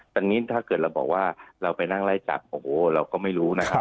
ตอนนี้ถ้าเกิดเราบอกว่าเราไปนั่งไล่จับโอ้โหเราก็ไม่รู้นะครับ